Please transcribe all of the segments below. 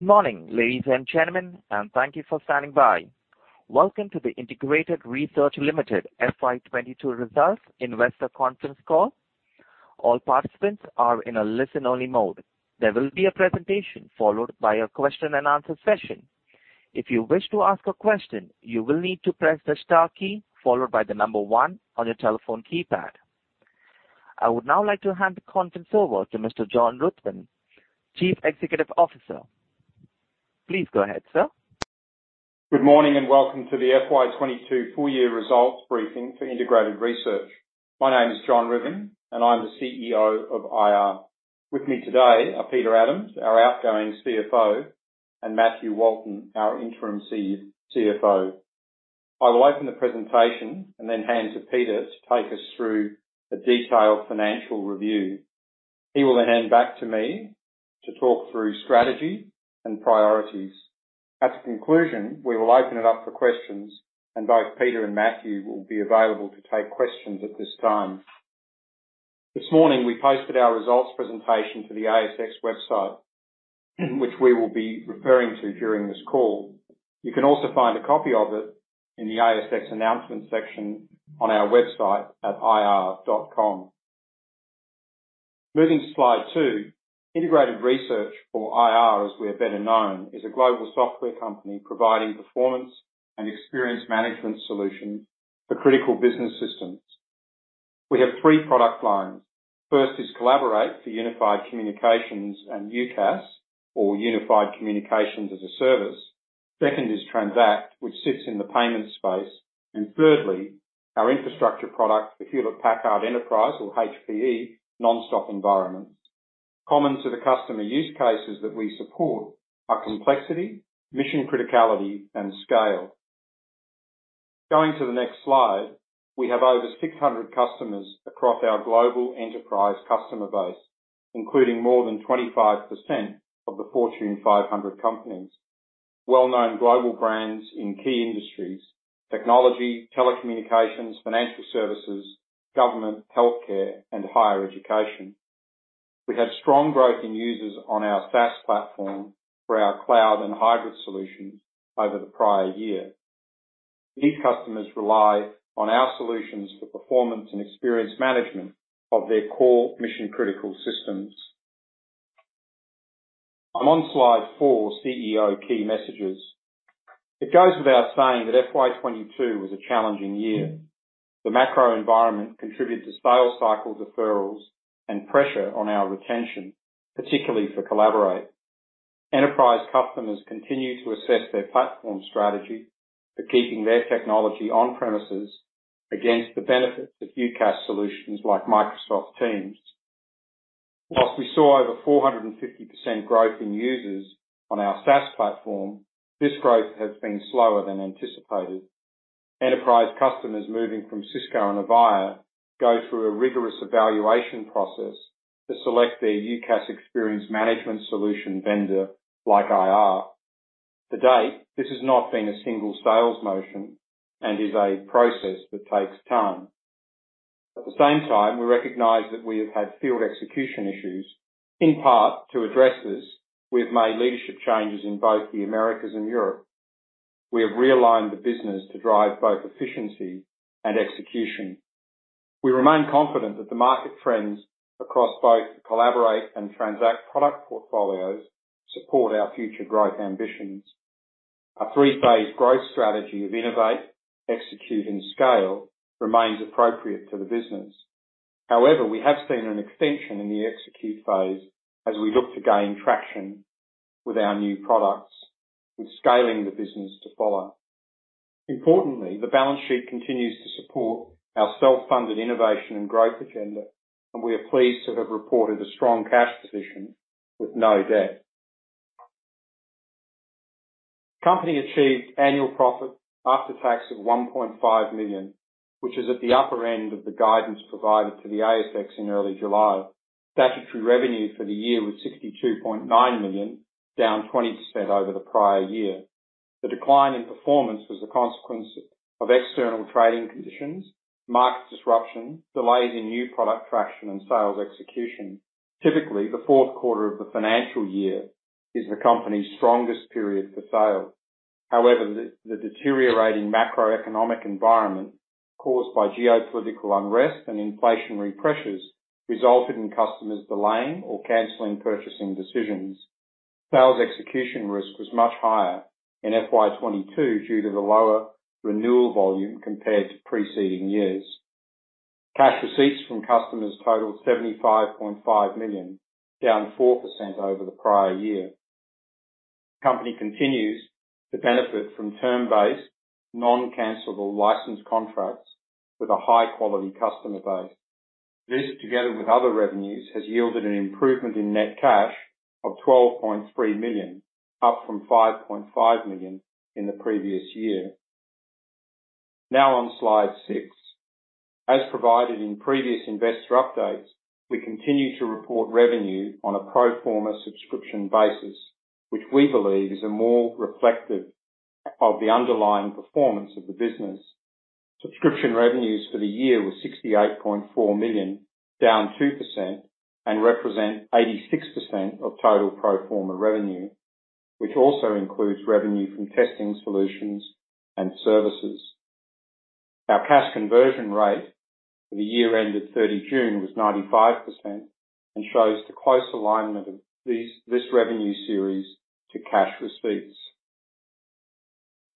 Good morning, ladies and gentlemen, and thank you for standing by. Welcome to the Integrated Research Limited FY 22 Results Investor Conference Call. All participants are in a listen-only mode. There will be a presentation followed by a question and answer session. If you wish to ask a question you will need to press the star key followed by the number one on your telephone keypad. I would now like to hand the conference over to Mr. John Ruthven, Chief Executive Officer. Please go ahead, sir. Good morning and welcome to the FY 22 full year results briefing for Integrated Research. My name is John Ruthven and I'm the CEO of IR. With me today are Peter Adams, our outgoing CFO, and Matthew Walton, our interim CFO. I will open the presentation and then hand to Peter to take us through a detailed financial review. He will then hand back to me to talk through strategy and priorities. As a conclusion, we will open it up for questions and both Peter and Matthew will be available to take questions at this time. This morning, we posted our results presentation to the ASX website, which we will be referring to during this call. You can also find a copy of it in the ASX announcements section on our website at ir.com. Moving to slide two. Integrated Research or IR, as we are better known, is a global software company providing performance and experience management solutions for critical business systems. We have three product lines. First is Collaborate for unified communications and UCaaS or Unified Communications as a Service. Second is Transact, which sits in the payment space. Thirdly, our Infrastructure product for Hewlett Packard Enterprise or HPE NonStop environments. Common to the customer use cases that we support are complexity, mission criticality and scale. Going to the next slide. We have over 600 customers across our global enterprise customer base, including more than 25% of the Fortune 500 companies. Well-known global brands in key industries, technology, telecommunications, financial services, government, healthcare and higher education. We had strong growth in users on our SaaS platform for our cloud and hybrid solutions over the prior year. These customers rely on our solutions for performance and experience management of their core mission critical systems. I'm on slide four, CEO key messages. It goes without saying that FY 2022 was a challenging year. The macro environment contributed to sales cycle deferrals and pressure on our retention, particularly for Collaborate. Enterprise customers continue to assess their platform strategy for keeping their technology on premises against the benefits of UCaaS solutions like Microsoft Teams. While we saw over 450% growth in users on our SaaS platform, this growth has been slower than anticipated. Enterprise customers moving from Cisco and Avaya go through a rigorous evaluation process to select their UCaaS experience management solution vendor like IR. To date, this has not been a single sales motion and is a process that takes time. At the same time, we recognize that we have had field execution issues. In part to address this, we have made leadership changes in both the Americas and Europe. We have realigned the business to drive both efficiency and execution. We remain confident that the market trends across both the Collaborate and Transact product portfolios support our future growth ambitions. Our three-phase growth strategy of innovate, execute and scale remains appropriate for the business. However, we have seen an extension in the execute phase as we look to gain traction with our new products, with scaling the business to follow. Importantly, the balance sheet continues to support our self-funded innovation and growth agenda. We are pleased to have reported a strong cash position with no debt. Company achieved annual profit after tax of 1.5 million, which is at the upper end of the guidance provided to the ASX in early July. Statutory revenue for the year was 62.9 million, down 20% over the prior year. The decline in performance was a consequence of external trading conditions, market disruption, delays in new product traction and sales execution. Typically, the fourth quarter of the financial year is the company's strongest period for sales. However, the deteriorating macroeconomic environment caused by geopolitical unrest and inflationary pressures resulted in customers delaying or canceling purchasing decisions. Sales execution risk was much higher in FY 2022 due to the lower renewal volume compared to preceding years. Cash receipts from customers totaled 75.5 million, down 4% over the prior year. Company continues to benefit from term-based, non-cancelable license contracts with a high quality customer base. This, together with other revenues, has yielded an improvement in net cash of 12.3 million, up from 5.5 million in the previous year. Now on slide six. As provided in previous investor updates, we continue to report revenue on a pro forma subscription basis, which we believe is a more reflective of the underlying performance of the business. Subscription revenues for the year were 68.4 million, down 2% and represent 86% of total pro forma revenue, which also includes revenue from testing solutions and services. Our cash conversion rate for the year ended 30 June was 95% and shows the close alignment of this revenue series to cash receipts.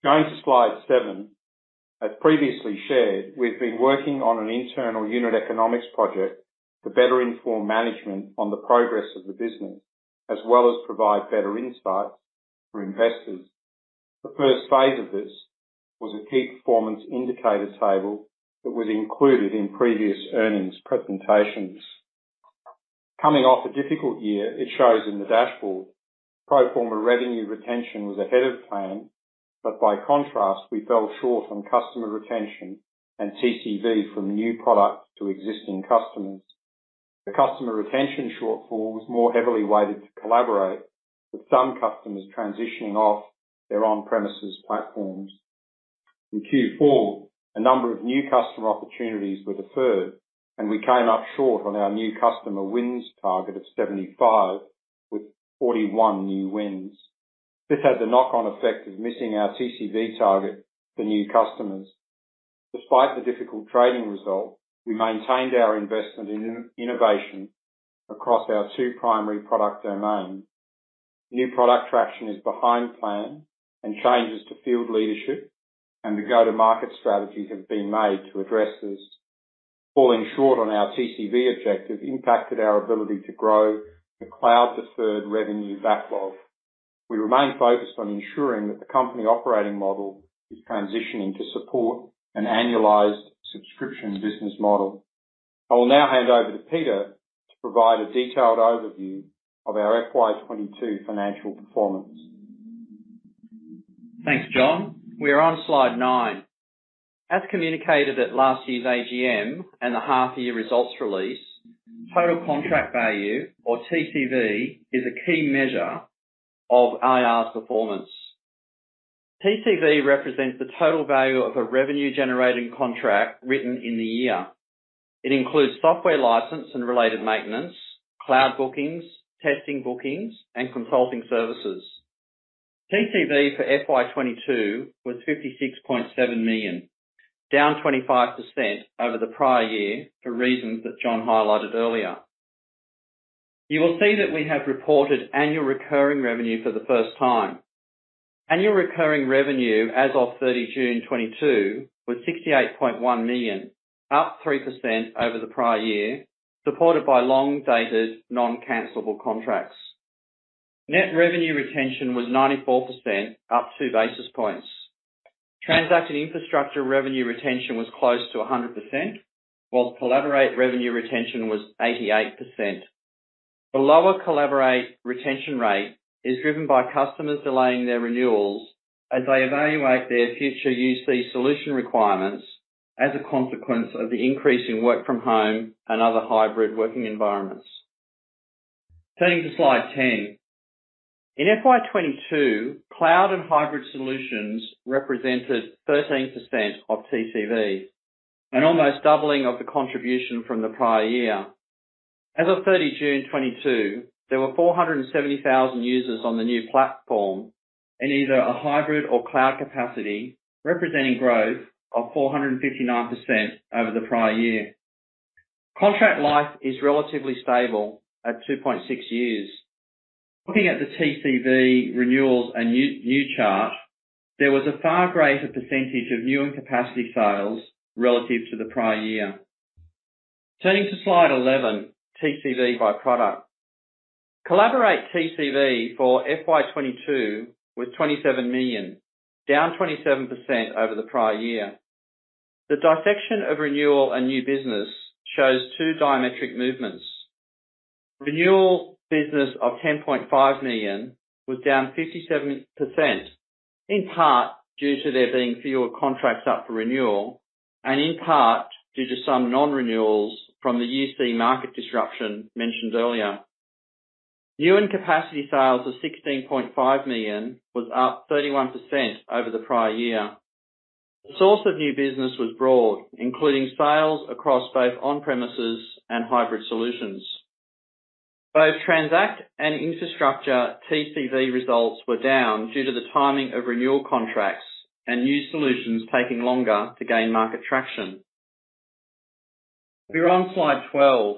Going to slide seven. As previously shared, we've been working on an internal unit economics project to better inform management on the progress of the business, as well as provide better insights for investors. The first phase of this was a key performance indicators table that was included in previous earnings presentations. Coming off a difficult year, it shows in the dashboard. Pro forma revenue retention was ahead of plan, but by contrast, we fell short on customer retention and TCV from new products to existing customers. The customer retention shortfall was more heavily weighted to Collaborate, with some customers transitioning off their on-premises platforms. In Q4, a number of new customer opportunities were deferred, and we came up short on our new customer wins target of 75 with 41 new wins. This has a knock-on effect of missing our TCV target for new customers. Despite the difficult trading result, we maintained our investment in innovation across our two primary product domains. New product traction is behind plan and changes to field leadership and the go-to-market strategies have been made to address this. Falling short on our TCV objective impacted our ability to grow the cloud deferred revenue backlog. We remain focused on ensuring that the company operating model is transitioning to support an annualized subscription business model. I will now hand over to Peter to provide a detailed overview of our FY 2022 financial performance. Thanks, John. We are on slide nine. As communicated at last year's AGM and the half year results release, Total Contract Value, or TCV, is a key measure of IR's performance. TCV represents the total value of a revenue-generating contract written in the year. It includes software license and related maintenance, cloud bookings, testing bookings, and consulting services. TCV for FY 2022 was 56.7 million, down 25% over the prior year for reasons that John highlighted earlier. You will see that we have reported annual recurring revenue for the first time. Annual recurring revenue as of 30 June 2022 was 68.1 million, up 3% over the prior year, supported by long-dated, non-cancelable contracts. Net revenue retention was 94%, up two basis points. Transacted infrastructure revenue retention was close to 100%, while Collaborate revenue retention was 88%. The lower Collaborate retention rate is driven by customers delaying their renewals as they evaluate their future UC solution requirements as a consequence of the increase in work from home and other hybrid working environments. Turning to slide 10. In FY 2022, cloud and hybrid solutions represented 13% of TCV, an almost doubling of the contribution from the prior year. As of 30 June 2022, there were 470,000 users on the new platform in either a hybrid or cloud capacity, representing growth of 459% over the prior year. Contract life is relatively stable at 2.6 years. Looking at the TCV renewals and new chart, there was a far greater percentage of new and capacity sales relative to the prior year. Turning to slide 11, TCV by product. Collaborate TCV for FY 2022 was 27 million, down 27% over the prior year. The dissection of renewal and new business shows two diametric movements. Renewal business of 10.5 million was down 57%, in part due to there being fewer contracts up for renewal and in part due to some non-renewals from the UC market disruption mentioned earlier. New and capacity sales of 16.5 million was up 31% over the prior year. The source of new business was broad, including sales across both on-premises and hybrid solutions. Both Transact and Infrastructure TCV results were down due to the timing of renewal contracts and new solutions taking longer to gain market traction. We're on slide 12.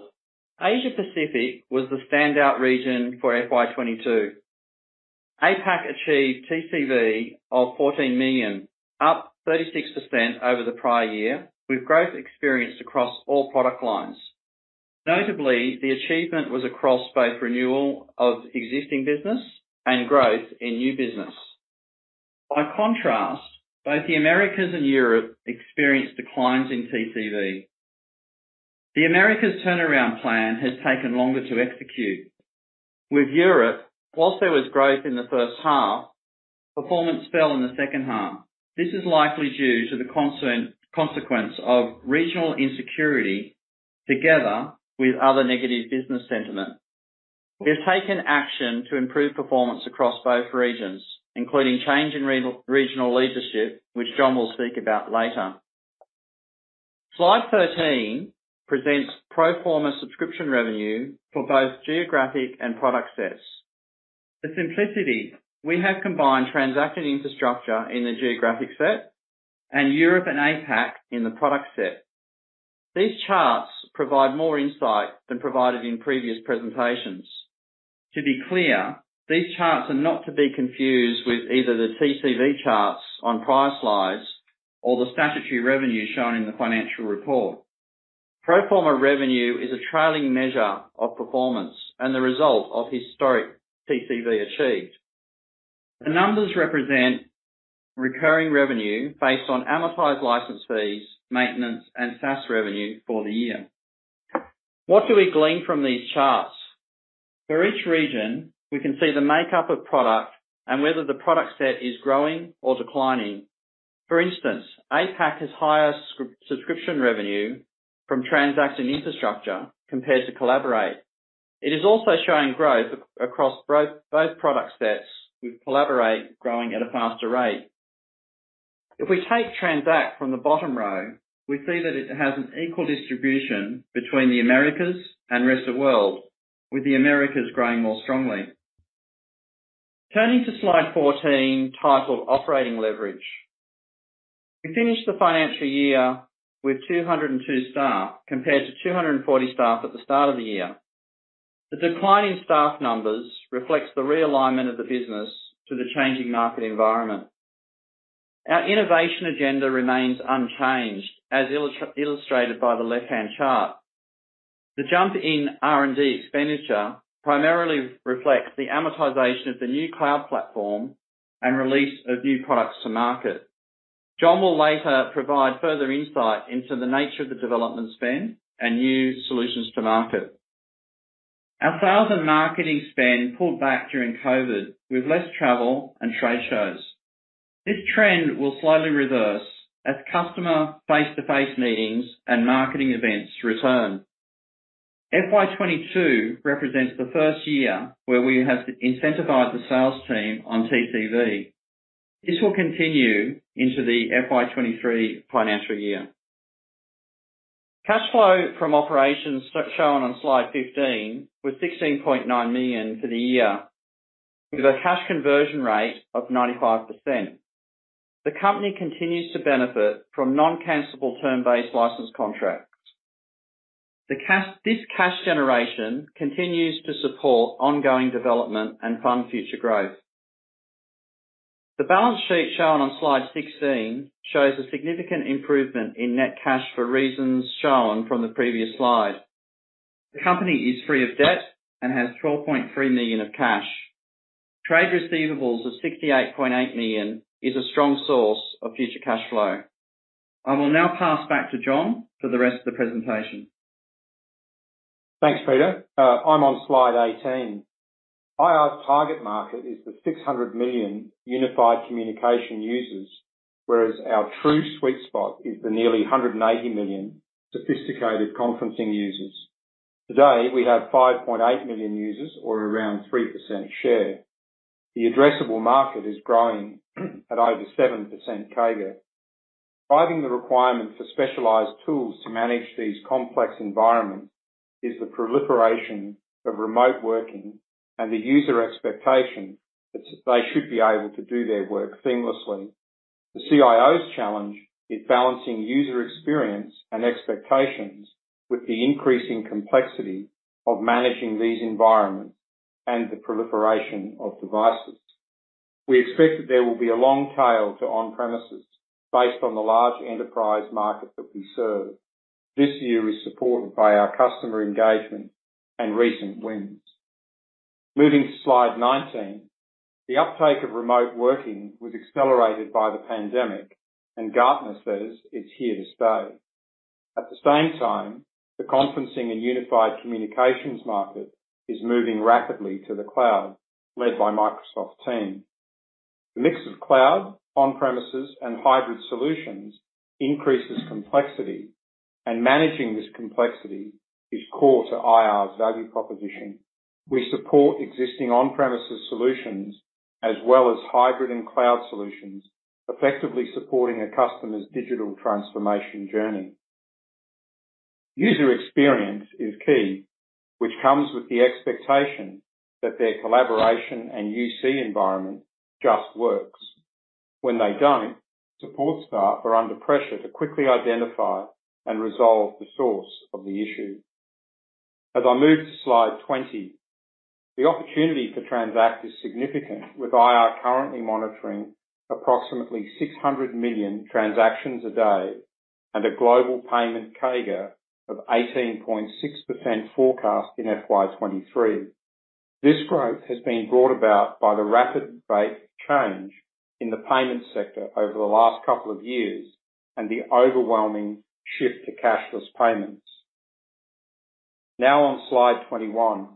Asia Pacific was the standout region for FY 2022. APAC achieved TCV of 14 million, up 36% over the prior year, with growth experienced across all product lines. Notably, the achievement was across both renewal of existing business and growth in new business. By contrast, both the Americas and Europe experienced declines in TCV. The Americas turnaround plan has taken longer to execute. With Europe, while there was growth in the first half, performance fell in the second half. This is likely due to the consequence of regional insecurity together with other negative business sentiment. We've taken action to improve performance across both regions, including change in regional leadership, which John will speak about later. Slide 13 presents pro forma subscription revenue for both geographic and product sets. For simplicity, we have combined Transact Infrastructure in the geographic set and Europe and APAC in the product set. These charts provide more insight than provided in previous presentations. To be clear, these charts are not to be confused with either the TCV charts on prior slides or the statutory revenue shown in the financial report. Pro forma revenue is a trailing measure of performance and the result of historic TCV achieved. The numbers represent recurring revenue based on amortized license fees, maintenance, and SaaS revenue for the year. What do we glean from these charts? For each region, we can see the makeup of product and whether the product set is growing or declining. For instance, APAC has higher subscription revenue from Transact and Infrastructure compared to Collaborate. It is also showing growth across both product sets, with Collaborate growing at a faster rate. If we take Transact from the bottom row, we see that it has an equal distribution between the Americas and rest of world, with the Americas growing more strongly. Turning to slide 14, titled Operating Leverage. We finished the financial year with 202 staff, compared to 240 staff at the start of the year. The decline in staff numbers reflects the realignment of the business to the changing market environment. Our innovation agenda remains unchanged, as illustrated by the left-hand chart. The jump in R&D expenditure primarily reflects the amortization of the new cloud platform and release of new products to market. John will later provide further insight into the nature of the development spend and new solutions to market. Our sales and marketing spend pulled back during COVID, with less travel and trade shows. This trend will slowly reverse as customer face-to-face meetings and marketing events return. FY 2022 represents the first year where we have incentivized the sales team on TCV. This will continue into the FY 2023 financial year. Cash flow from operations shown on slide 15 was 16.9 million for the year, with a cash conversion rate of 95%. The company continues to benefit from non-cancellable term-based license contracts. This cash generation continues to support ongoing development and fund future growth. The balance sheet shown on slide 16 shows a significant improvement in net cash for reasons shown from the previous slide. The company is free of debt and has 12.3 million of cash. Trade receivables of 68.8 million is a strong source of future cash flow. I will now pass back to John for the rest of the presentation. Thanks, Peter. I'm on slide 18. IR's target market is the 600 million unified communication users, whereas our true sweet spot is the nearly 180 million sophisticated conferencing users. Today, we have 5.8 million users or around 3% share. The addressable market is growing at over 7% CAGR. Driving the requirement for specialized tools to manage these complex environments is the proliferation of remote working and the user expectation that they should be able to do their work seamlessly. The CIO's challenge is balancing user experience and expectations with the increasing complexity of managing these environments and the proliferation of devices. We expect that there will be a long tail to on-premises based on the large enterprise market that we serve. This view is supported by our customer engagement and recent wins. Moving to slide 19. The uptake of remote working was accelerated by the pandemic, and Gartner says it's here to stay. At the same time, the conferencing and unified communications market is moving rapidly to the cloud, led by Microsoft Teams. The mix of cloud, on-premises, and hybrid solutions increases complexity, and managing this complexity is core to IR's value proposition. We support existing on-premises solutions as well as hybrid and cloud solutions, effectively supporting a customer's digital transformation journey. User experience is key, which comes with the expectation that their collaboration and UC environment just works. When they don't, support staff are under pressure to quickly identify and resolve the source of the issue. As I move to slide 20. The opportunity for Transact is significant, with IR currently monitoring approximately 600 million transactions a day and a global payment CAGR of 18.6% forecast in FY 2023. This growth has been brought about by the rapid rate change in the payment sector over the last couple of years and the overwhelming shift to cashless payments. Now on slide 21.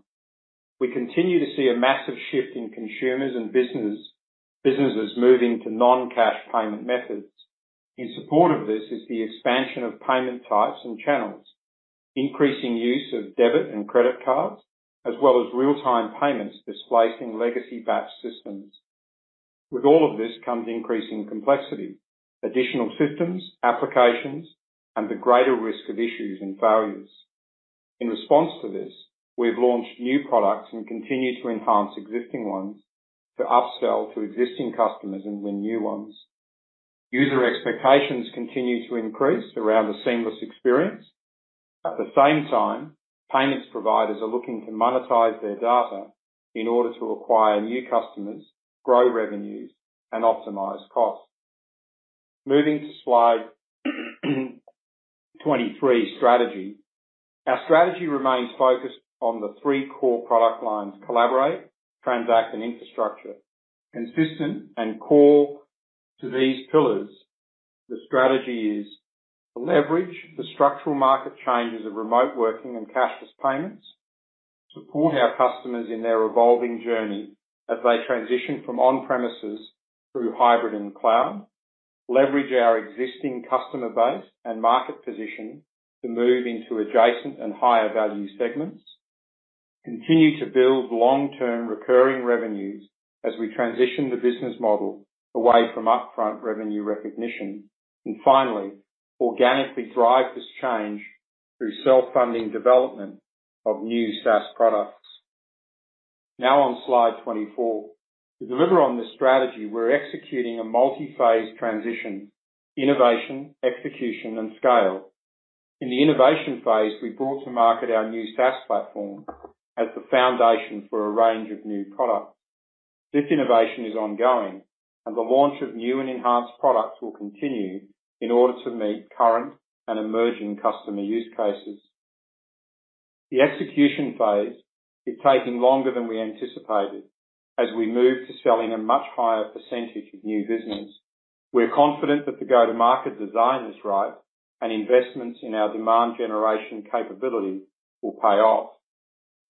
We continue to see a massive shift in consumers and businesses moving to non-cash payment methods. In support of this is the expansion of payment types and channels, increasing use of debit and credit cards, as well as real-time payments displacing legacy batch systems. With all of this comes increasing complexity, additional systems, applications, and the greater risk of issues and failures. In response to this, we've launched new products and continue to enhance existing ones to upsell to existing customers and win new ones. User expectations continue to increase around a seamless experience. At the same time, payments providers are looking to monetize their data in order to acquire new customers, grow revenues, and optimize costs. Moving to slide 23, strategy. Our strategy remains focused on the three core product lines: Collaborate, Transact, and Infrastructure. Consistent and core to these pillars, the strategy is to leverage the structural market changes of remote working and cashless payments, support our customers in their evolving journey as they transition from on-premises through hybrid and cloud, leverage our existing customer base and market positioning to move into adjacent and higher value segments, continue to build long-term recurring revenues as we transition the business model away from upfront revenue recognition. Finally, organically drive this change through self-funding development of new SaaS products. Now on slide 24. To deliver on this strategy, we're executing a multi-phase transition. Innovation, execution, and scale. In the innovation phase, we brought to market our new SaaS platform as the foundation for a range of new products. This innovation is ongoing and the launch of new and enhanced products will continue in order to meet current and emerging customer use cases. The execution phase is taking longer than we anticipated as we move to selling a much higher percentage of new business. We're confident that the go-to-market design is right and investments in our demand generation capability will pay off.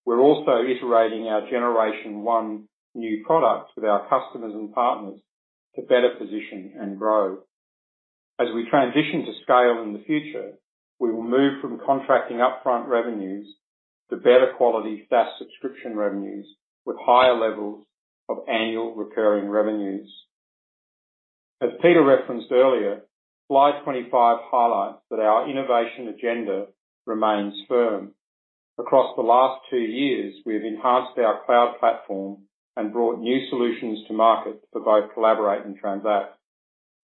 We're also iterating our generation one new products with our customers and partners to better position and grow. As we transition to scale in the future, we will move from contracting upfront revenues to better quality SaaS subscription revenues with higher levels of annual recurring revenues. As Peter referenced earlier, slide 25 highlights that our innovation agenda remains firm. Across the last two years, we have enhanced our cloud platform and brought new solutions to market for both Collaborate and Transact.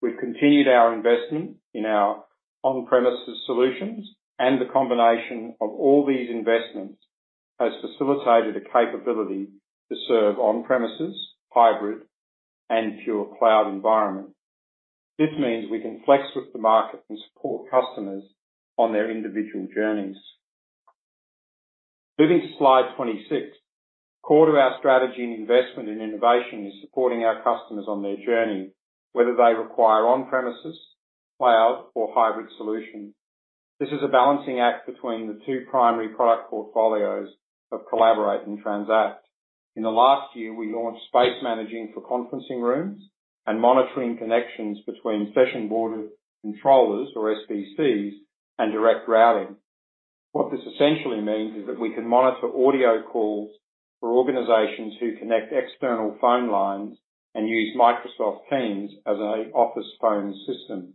We've continued our investment in our on-premises solutions and the combination of all these investments has facilitated a capability to serve on-premises, hybrid, and pure cloud environment. This means we can flex with the market and support customers on their individual journeys. Moving to slide 26. Core to our strategy and investment in innovation is supporting our customers on their journey, whether they require on-premises, cloud or hybrid solution. This is a balancing act between the two primary product portfolios of Collaborate and Transact. In the last year, we launched space managing for conferencing rooms and monitoring connections between session border controllers, or SBCs, and direct routing. What this essentially means is that we can monitor audio calls for organizations who connect external phone lines and use Microsoft Teams as a office phone system.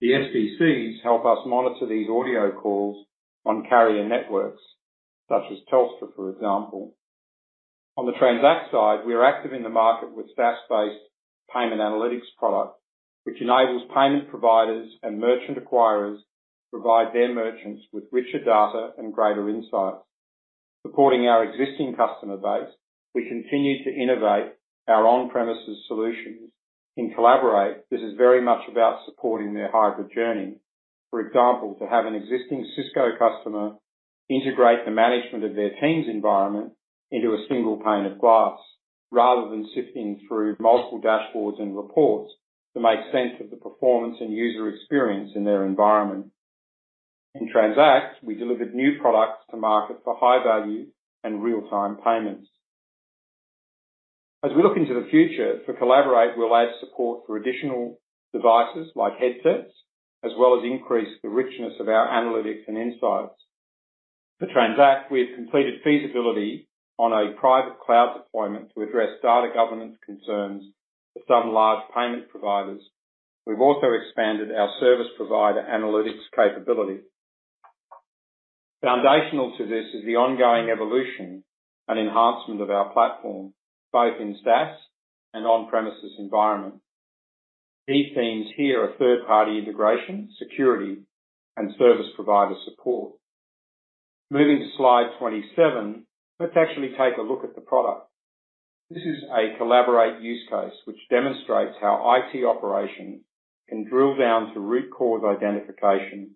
The SBCs help us monitor these audio calls on carrier networks such as Telstra, for example. On the Transact side, we are active in the market with SaaS-based payment analytics product, which enables payment providers and merchant acquirers provide their merchants with richer data and greater insights. Supporting our existing customer base, we continue to innovate our on-premises solutions. In Collaborate, this is very much about supporting their hybrid journey. For example, to have an existing Cisco customer integrate the management of their Teams environment into a single pane of glass, rather than sifting through multiple dashboards and reports to make sense of the performance and user experience in their environment. In Transact, we delivered new products to market for high value and real-time payments. As we look into the future, for Collaborate, we'll add support for additional devices like headsets, as well as increase the richness of our analytics and insights. For Transact, we have completed feasibility on a private cloud deployment to address data governance concerns for some large payment providers. We've also expanded our service provider analytics capability. Foundational to this is the ongoing evolution and enhancement of our platform, both in SaaS and on-premises environment. These themes here are third-party integration, security, and service provider support. Moving to slide 27. Let's actually take a look at the product. This is a Collaborate use case which demonstrates how IT operations can drill down to root cause identification.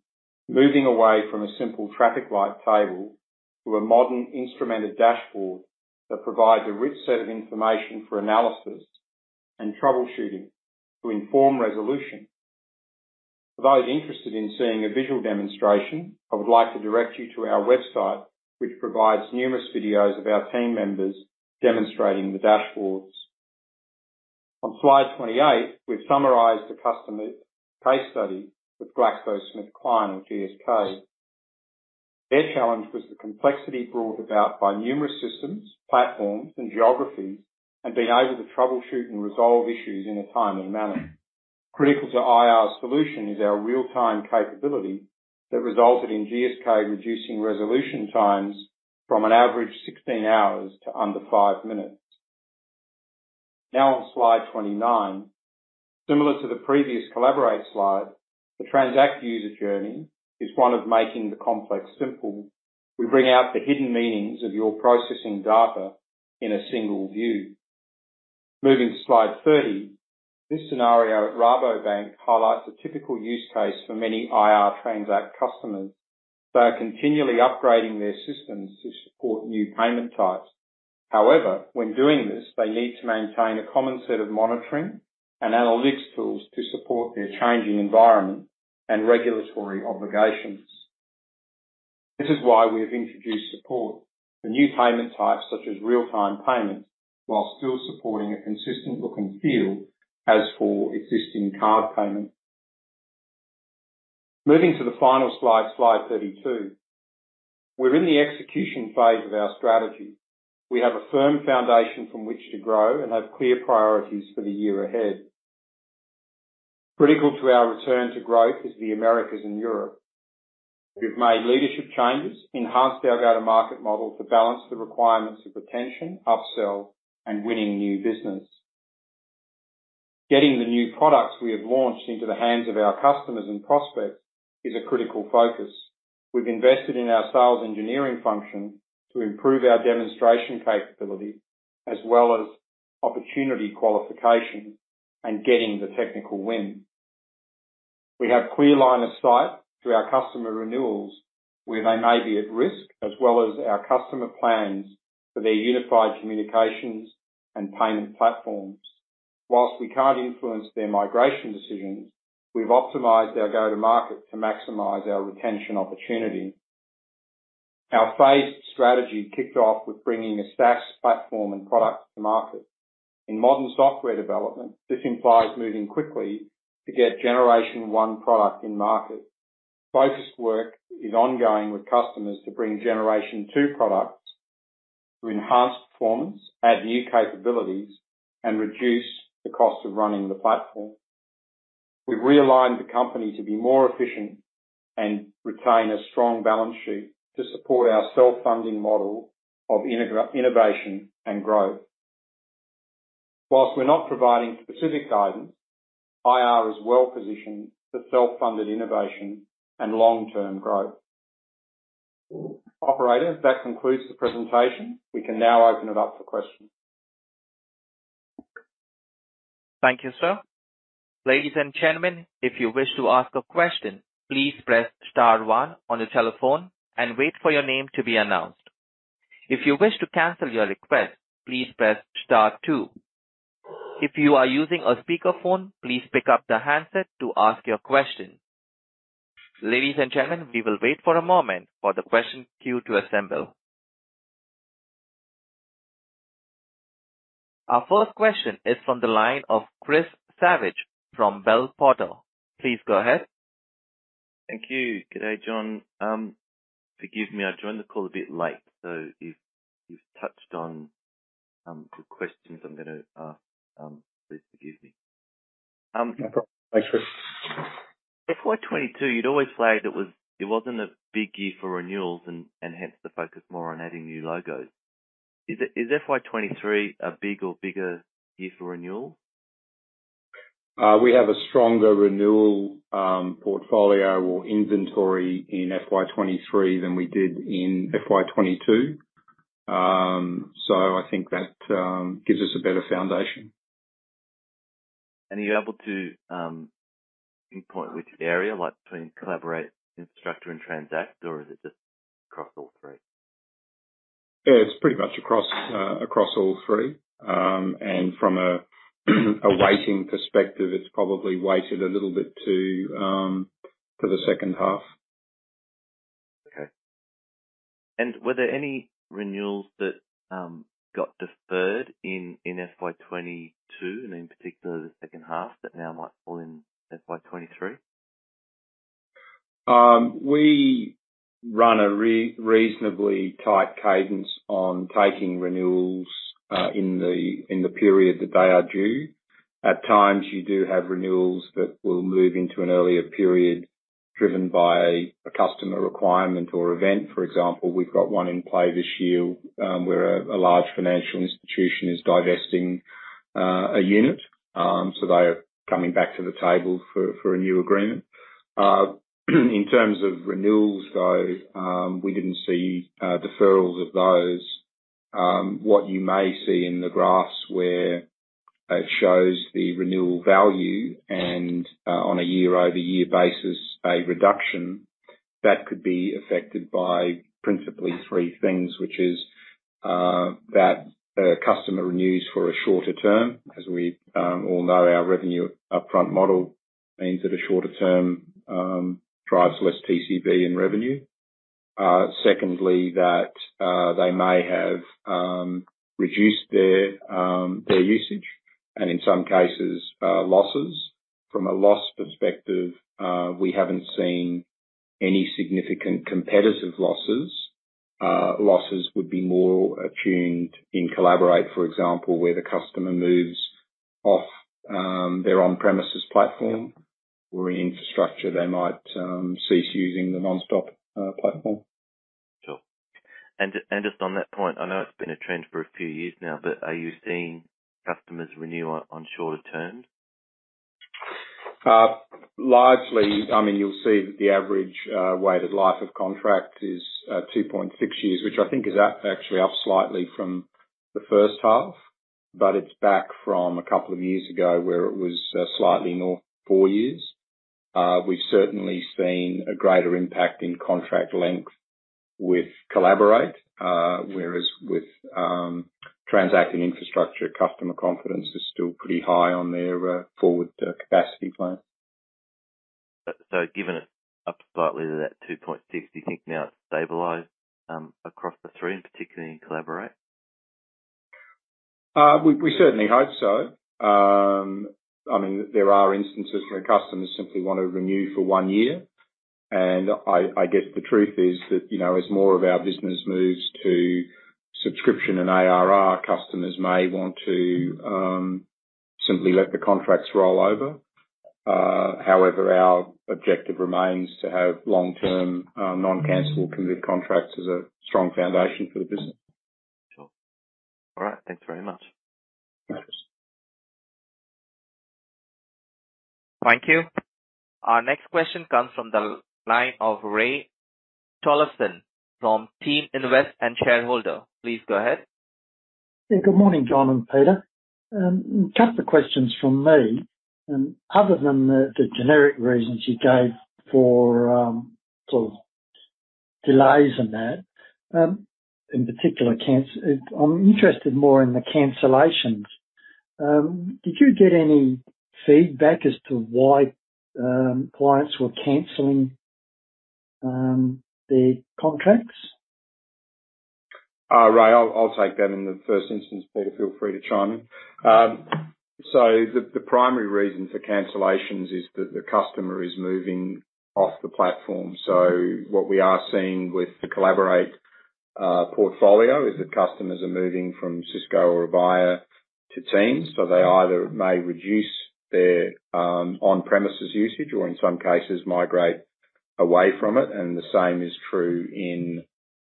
Moving away from a simple traffic light table to a modern instrumented dashboard that provides a rich set of information for analysis and troubleshooting to inform resolution. For those interested in seeing a visual demonstration, I would like to direct you to our website, which provides numerous videos of our team members demonstrating the dashboards. On slide 28, we've summarized a customer case study with GSK or GSK. Their challenge was the complexity brought about by numerous systems, platforms, and geographies, and being able to troubleshoot and resolve issues in a timely manner. Critical to IR's solution is our real-time capability that resulted in GSK reducing resolution times from an average 16 hours to under five minutes. Now on slide 29. Similar to the previous Collaborate slide, the Transact user journey is one of making the complex simple. We bring out the hidden meanings of your processing data in a single view. Moving to slide 30. This scenario at Rabobank highlights a typical use case for many IR Transact customers. They are continually upgrading their systems to support new payment types. However, when doing this, they need to maintain a common set of monitoring and analytics tools to support their changing environment and regulatory obligations. This is why we have introduced support for new payment types such as real-time payments, while still supporting a consistent look and feel as for existing card payments. Moving to the final slide 32. We're in the execution phase of our strategy. We have a firm foundation from which to grow and have clear priorities for the year ahead. Critical to our return to growth is the Americas and Europe. We've made leadership changes, enhanced our go-to-market model to balance the requirements of retention, upsell, and winning new business. Getting the new products we have launched into the hands of our customers and prospects is a critical focus. We've invested in our sales engineering function to improve our demonstration capability as well as opportunity qualification and getting the technical win. We have clear line of sight to our customer renewals where they may be at risk, as well as our customer plans for their unified communications and payment platforms. While we can't influence their migration decisions, we've optimized our go-to-market to maximize our retention opportunity. Our phased strategy kicked off with bringing a SaaS platform and product to market. In modern software development, this implies moving quickly to get generation one product in market. Focused work is ongoing with customers to bring generation two products to enhance performance, add new capabilities, and reduce the cost of running the platform. We've realigned the company to be more efficient and retain a strong balance sheet to support our self-funding model of integrated innovation and growth. While we're not providing specific guidance, IR is well positioned for self-funded innovation and long-term growth. Operator, that concludes the presentation. We can now open it up for questions. Thank you, sir. Ladies and gentlemen, if you wish to ask a question, please press star one on your telephone and wait for your name to be announced. If you wish to cancel your request, please press star two. If you are using a speakerphone, please pick up the handset to ask your question. Ladies and gentlemen, we will wait for a moment for the question queue to assemble. Our first question is from the line of Chris Savage from Bell Potter. Please go ahead. Thank you. Good day, John. Forgive me, I joined the call a bit late, so if you've touched on good questions I'm gonna ask, please forgive me. No problem. Thanks, Chris. FY 22, you'd always flagged it wasn't a big year for renewals and hence the focus more on adding new logos. Is FY 23 a big or bigger year for renewals? We have a stronger renewal portfolio or inventory in FY 2023 than we did in FY 2022. I think that gives us a better foundation. Are you able to pinpoint which area, like between Collaborate, Infrastructure, and Transact, or is it just across all three? Yeah, it's pretty much across all three. From a weighting perspective, it's probably weighted a little bit to the second half. Okay. Were there any renewals that got deferred in FY 2022 and in particular the second half that now might fall in FY 2023? We run a reasonably tight cadence on taking renewals in the period that they are due. At times, you do have renewals that will move into an earlier period driven by a customer requirement or event. For example, we've got one in play this year, where a large financial institution is divesting a unit, so they are coming back to the table for a new agreement. In terms of renewals though, we didn't see deferrals of those. What you may see in the graphs where it shows the renewal value and on a year-over-year basis, a reduction, that could be affected by principally three things, which is that a customer renews for a shorter term. As we all know, our revenue upfront model means that a shorter term drives less TCV in revenue. Secondly, that they may have reduced their usage and in some cases, losses. From a loss perspective, we haven't seen any significant competitive losses. Losses would be more attuned in Collaborate, for example, where the customer moves off their on-premises platform or infrastructure. They might cease using the NonStop platform. Sure. Just on that point, I know it's been a trend for a few years now, but are you seeing customers renew on shorter term? Largely, I mean, you'll see that the average weighted life of contract is 2.6 years, which I think is up, actually up slightly from the first half, but it's back from a couple of years ago where it was slightly more, four years. We've certainly seen a greater impact in contract length with Collaborate. Whereas with Transact and Infrastructure, customer confidence is still pretty high on their forward capacity plan. Given it's up slightly to that 2.6, do you think now it's stabilized across the three and particularly in Collaborate? We certainly hope so. I mean, there are instances where customers simply want to renew for one year. I guess the truth is that, you know, as more of our business moves to subscription and ARR, customers may want to simply let the contracts roll over. However, our objective remains to have long-term non-cancelable committed contracts as a strong foundation for the business. Sure. All right. Thanks very much. Thanks. Thank you. Our next question comes from the line of Ray Tollefson from TeamInvest and Shareholder. Please go ahead. Yeah. Good morning, John Ruthven and Peter Adams. A couple of questions from me. Other than the generic reasons you gave for the sort of delays and that, in particular, I'm interested more in the cancellations. Did you get any feedback as to why clients were canceling their contracts? Ray, I'll take that in the first instance. Peter, feel free to chime in. The primary reason for cancellations is that the customer is moving off the platform. What we are seeing with the Collaborate portfolio is that customers are moving from Cisco or Avaya to Teams, so they either may reduce their on-premises usage or in some cases migrate away from it. The same is true in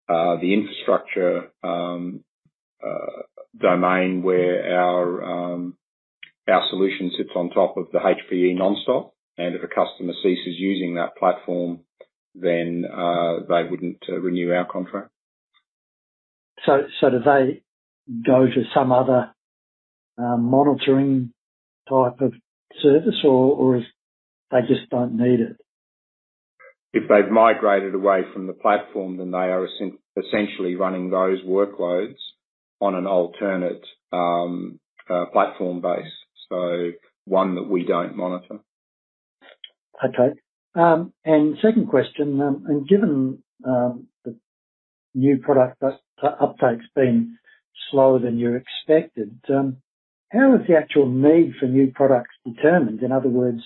the Infrastructure domain where our solution sits on top of the HPE NonStop, and if a customer ceases using that platform, then they wouldn't renew our contract. Do they go to some other monitoring type of service or they just don't need it? If they've migrated away from the platform, then they are essentially running those workloads on an alternate platform base. One that we don't monitor. Okay. Second question. Given the new product uptake's been slower than you expected, how is the actual need for new products determined? In other words,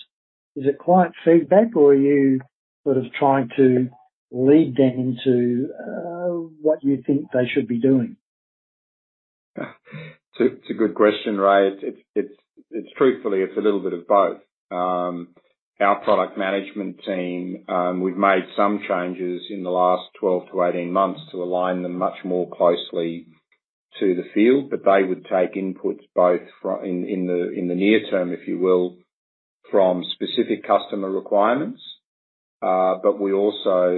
is it client feedback or are you sort of trying to lead them into what you think they should be doing? It's a good question, Ray. It's truthfully a little bit of both. Our product management team, we've made some changes in the last 12-18 months to align them much more closely to the field. They would take inputs both from in the near term, if you will, from specific customer requirements. We also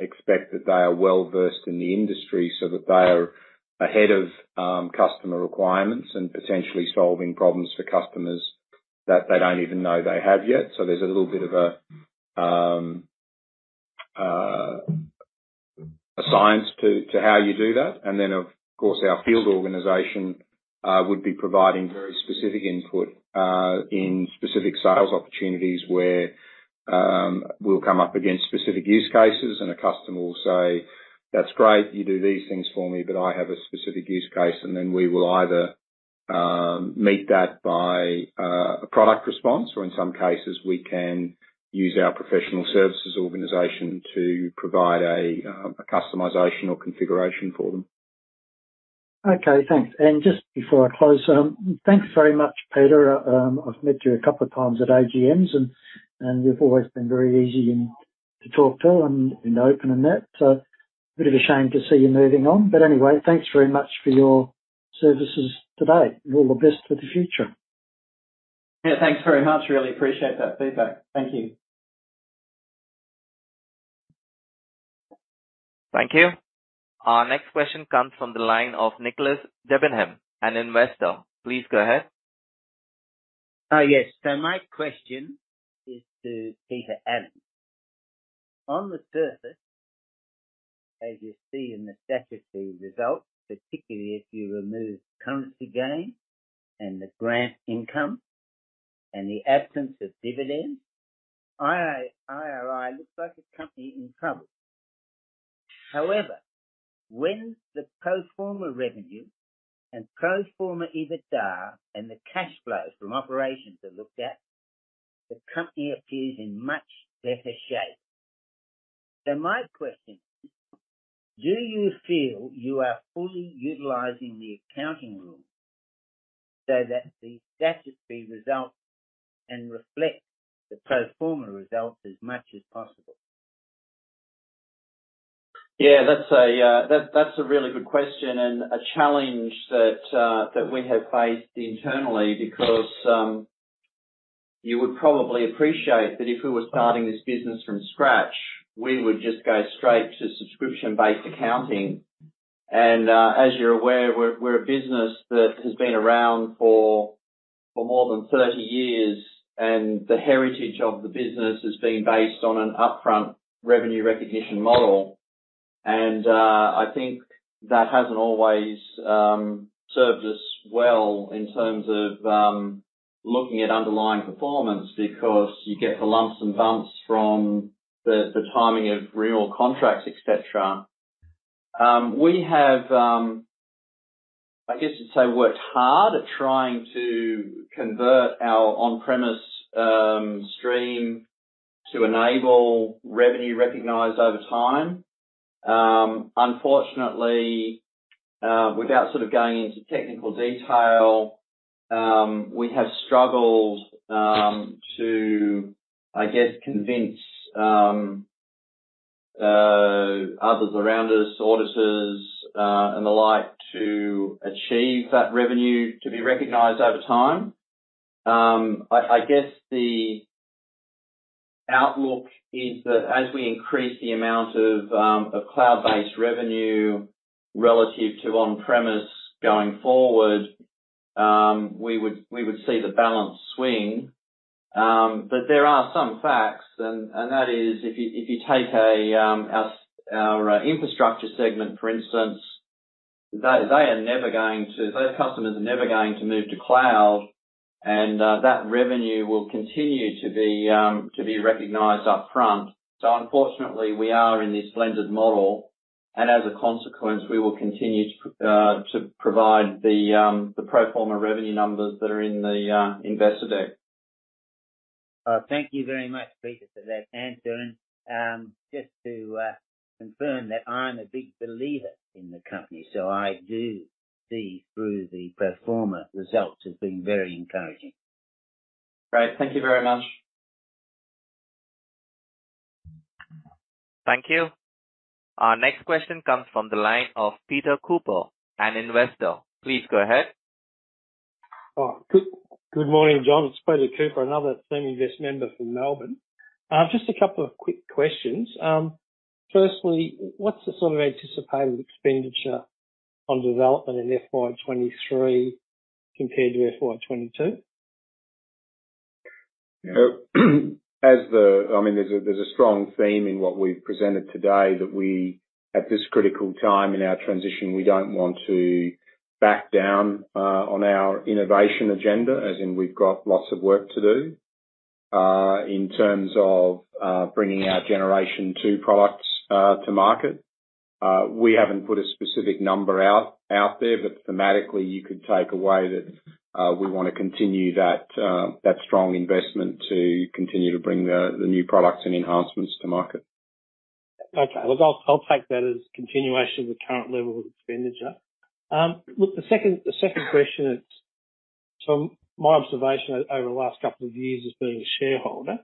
expect that they are well-versed in the industry so that they are ahead of customer requirements and potentially solving problems for customers that they don't even know they have yet. There's a little bit of a science to how you do that. Of course our field organization would be providing very specific input in specific sales opportunities where we'll come up against specific use cases and a customer will say, "That's great that you do these things for me, but I have a specific use case." Then we will either meet that by a product response or in some cases we can use our professional services organization to provide a customization or configuration for them. Okay, thanks. Just before I close, thanks very much, Peter. I've met you a couple of times at AGMs and you've always been very easy and to talk to and, you know, open and that. A bit of a shame to see you moving on. Anyway, thanks very much for your services today. All the best for the future. Yeah, thanks very much. Really appreciate that feedback. Thank you. Thank you. Our next question comes from the line of Nicholas Debenham, an investor. Please go ahead. Yes. My question is to Peter Adams. On the surface, as you see in the statutory results, particularly if you remove currency gains and the grant income and the absence of dividends, IRI looks like a company in trouble. However, when the pro forma revenue and pro forma EBITDA and the cash flows from operations are looked at, the company appears in much better shape. My question is, do you feel you are fully utilizing the accounting rules so that the statutory results can reflect the pro forma results as much as possible? Yeah, that's a really good question and a challenge that we have faced internally, because you would probably appreciate that if we were starting this business from scratch, we would just go straight to subscription-based accounting. As you're aware, we're a business that has been around for more than 30 years, and the heritage of the business has been based on an upfront revenue recognition model. I think that hasn't always served us well in terms of looking at underlying performance because you get the lumps and bumps from the timing of renewal contracts, et cetera. We have, I guess you'd say, worked hard at trying to convert our on-premise stream to enable revenue recognized over time. Unfortunately, without sort of going into technical detail, we have struggled to, I guess, convince others around us, auditors, and the like, to achieve that revenue to be recognized over time. I guess the outlook is that as we increase the amount of cloud-based revenue relative to on-premise going forward, we would see the balance swing. But there are some facts and that is if you take our infrastructure segment, for instance, those customers are never going to move to cloud and that revenue will continue to be recognized upfront. Unfortunately we are in this blended model and as a consequence we will continue to provide the pro forma revenue numbers that are in the investor deck. Thank you very much, Peter, for that answer. Just to confirm that I'm a big believer in the company, so I do see through the pro forma results as being very encouraging. Great. Thank you very much. Thank you. Our next question comes from the line of Peter Cooper, an investor. Please go ahead. Good morning, John. It's Peter Cooper, another Thematic investing member from Melbourne. Just a couple of quick questions. Firstly, what's the sort of anticipated expenditure on development in FY 2023 compared to FY 2022? I mean, there's a strong theme in what we've presented today that we, at this critical time in our transition, we don't want to back down on our innovation agenda as in we've got lots of work to do in terms of bringing our generation two products to market. We haven't put a specific number out there, but thematically you could take away that we wanna continue that strong investment to continue to bring the new products and enhancements to market. Okay. Look, I'll take that as continuation of the current level of expenditure. Look, the second question is, from my observation over the last couple of years as being a shareholder,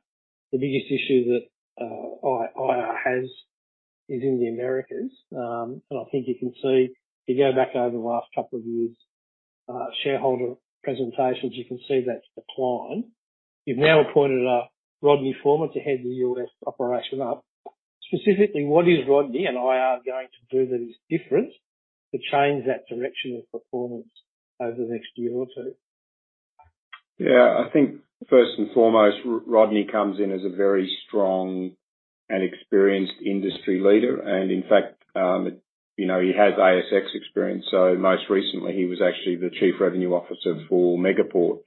the biggest issue that IR has is in the Americas. I think you can see if you go back over the last couple of years, shareholder presentations, you can see that decline. You've now appointed Rodney Foreman to head the U.S. operation up. Specifically, what is Rodney and IR going to do that is different to change that direction of performance over the next year or two? Yeah. I think first and foremost, Rodney comes in as a very strong and experienced industry leader. In fact, you know, he has ASX experience. Most recently he was actually the Chief Revenue Officer for Megaport.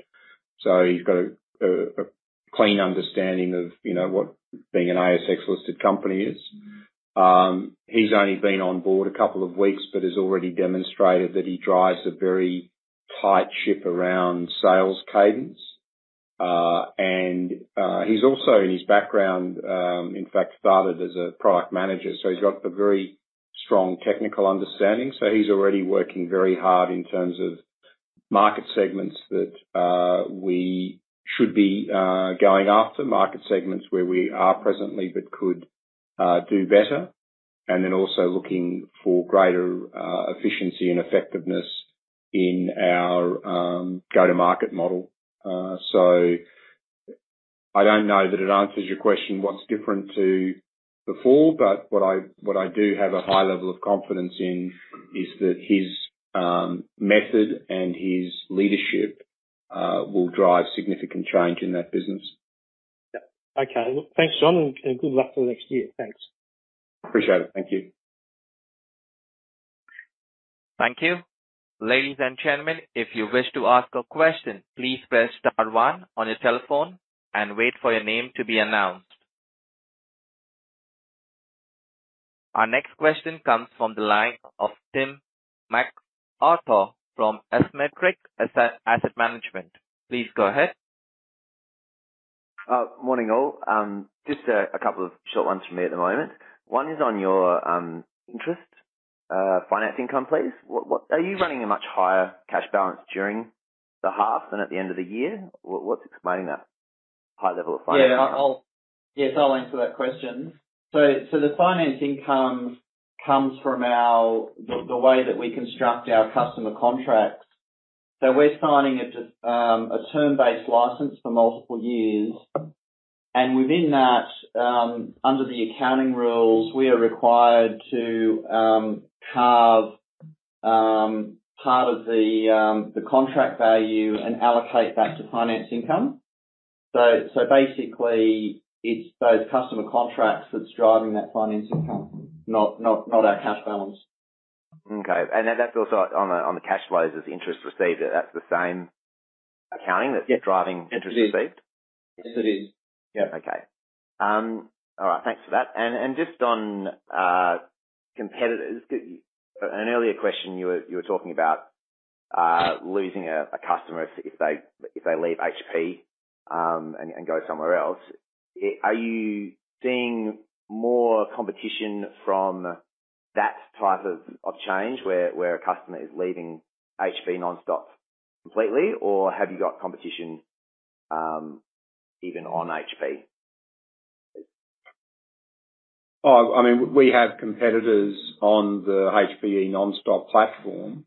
He's got a clean understanding of, you know, what being an ASX-listed company is. He's only been on board a couple of weeks, but has already demonstrated that he drives a very tight ship around sales cadence. He's also in his background, in fact started as a product manager, so he's got a very strong technical understanding. He's already working very hard in terms of market segments that we should be going after, market segments where we are presently but could do better. Then also looking for greater efficiency and effectiveness in our go-to-market model. I don't know that it answers your question, what's different to before? What I do have a high level of confidence in is that his method and his leadership will drive significant change in that business. Yeah. Okay. Well, thanks, John, and good luck for the next year. Thanks. Appreciate it. Thank you. Thank you. Ladies and gentlemen, if you wish to ask a question, please press star one on your telephone and wait for your name to be announced. Our next question comes from the line of Tim McArthur from Asymmetric Asset Management. Please go ahead. Morning, all. Just a couple of short ones from me at the moment. One is on your interest and finance income, please. Are you running a much higher cash balance during the half than at the end of the year? What's explaining that high level of finance income? Yes, I'll answer that question. The finance income comes from the way that we construct our customer contracts. We're signing just a term-based license for multiple years. Within that, under the accounting rules, we are required to carve part of the contract value and allocate that to finance income. Basically it's those customer contracts that's driving that finance income, not our cash balance. Okay. That's also on the cash flows as interest received, that's the same accounting. Yep. That's driving interest received? Yes, it is. Yep. Okay. All right, thanks for that. Just on competitors. An earlier question you were talking about losing a customer if they leave HPE and go somewhere else. Are you seeing more competition from that type of change where a customer is leaving HPE NonStop completely? Or have you got competition even on HPE? I mean, we have competitors on the HPE NonStop platform.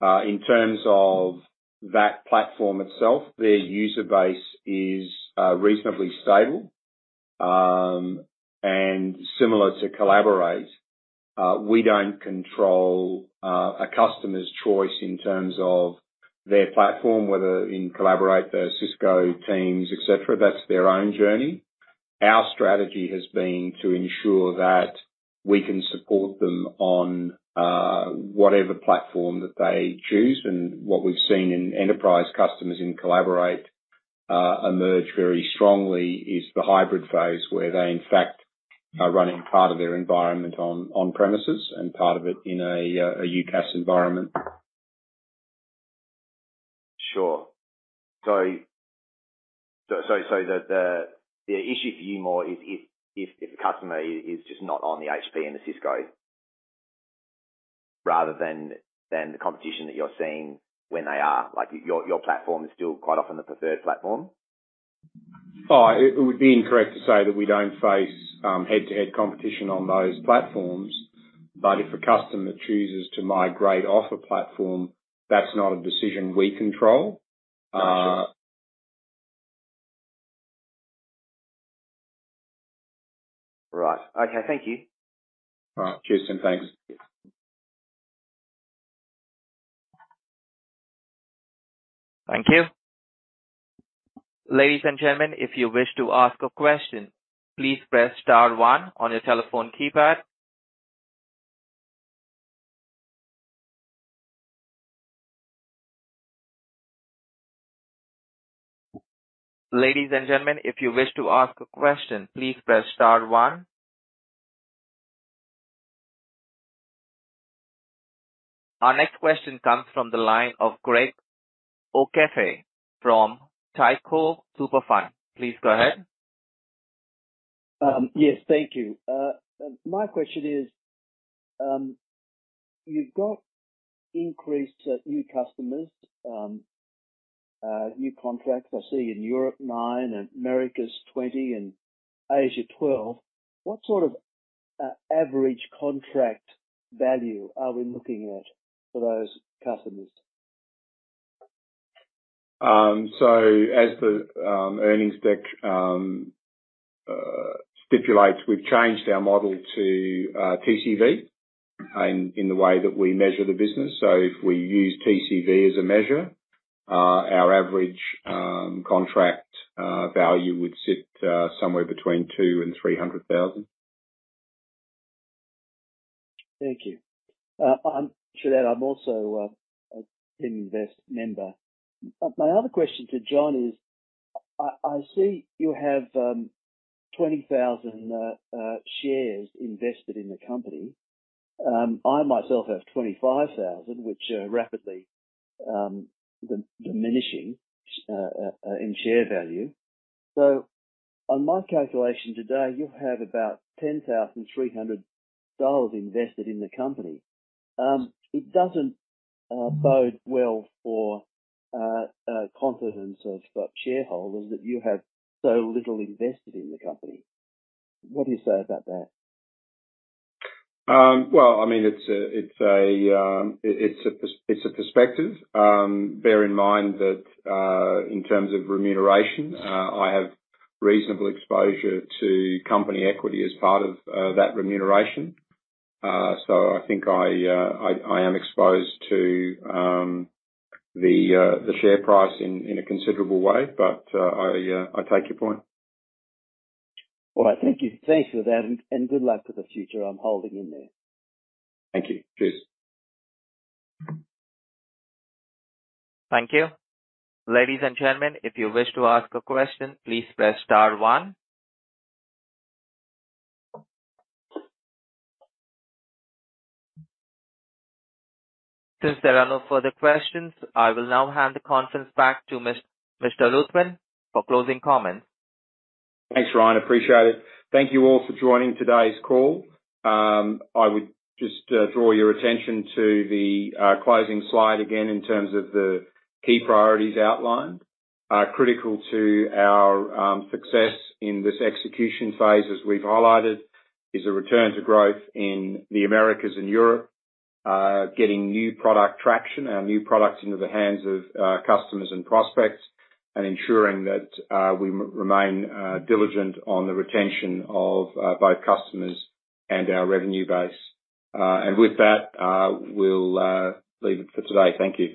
In terms of that platform itself, their user base is reasonably stable. Similar to Collaborate, we don't control a customer's choice in terms of their platform, whether in Collaborate, Cisco, Teams, et cetera. That's their own journey. Our strategy has been to ensure that we can support them on whatever platform that they choose. What we've seen in enterprise customers in Collaborate emerge very strongly is the hybrid phase, where they in fact are running part of their environment on premises and part of it in a UCaaS environment. Sure. The issue for you more is if the customer is just not on the HP and the Cisco rather than the competition that you're seeing when they are. Like, your platform is still quite often the preferred platform? It would be incorrect to say that we don't face head-to-head competition on those platforms. If a customer chooses to migrate off a platform, that's not a decision we control. Right. Okay, thank you. All right. Cheers and thanks. Thank you. Ladies and gentlemen, if you wish to ask a question, please press star one on your telephone keypad. Ladies and gentlemen, if you wish to ask a question, please press star one. Our next question comes from the line of Greg O'Keeffe from Taiko Super. Please go ahead. Yes, thank you. My question is, you've got increased new customers, new contracts. I see in Europe 9, Americas 20, and Asia 12. What sort of average contract value are we looking at for those customers? As the earnings deck stipulates, we've changed our model to TCV in the way that we measure the business. If we use TCV as a measure, our average contract value would sit somewhere between 200,000 and 300,000. Thank you. I'm sure that I'm also an investor. My other question to John is, I see you have 20,000 shares invested in the company. I myself have 25,000, which are rapidly diminishing in share value. On my calculation today, you have about 10,300 dollars invested in the company. It doesn't bode well for confidence of shareholders that you have so little invested in the company. What do you say about that? Well, I mean, it's a perspective. Bear in mind that in terms of remuneration, I have reasonable exposure to company equity as part of that remuneration. I think I am exposed to the share price in a considerable way, but I take your point. All right. Thank you. Thanks for that, and good luck for the future. I'm holding in there. Thank you. Cheers. Thank you. Ladies and gentlemen, if you wish to ask a question, please press star one. Since there are no further questions, I will now hand the conference back to Mr. Ruthven for closing comments. Thanks, Ryan. Appreciate it. Thank you all for joining today's call. I would just draw your attention to the closing slide again in terms of the key priorities outlined. Critical to our success in this execution phase, as we've highlighted, is a return to growth in the Americas and Europe. Getting new product traction, our new products into the hands of customers and prospects, and ensuring that we remain diligent on the retention of both customers and our revenue base. With that, we'll leave it for today. Thank you.